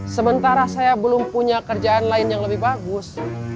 sementara saya belum punya kerjaan lain yang lebih bagus